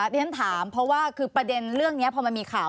เรียนถามเพราะว่าคือประเด็นเรื่องนี้พอมันมีข่าว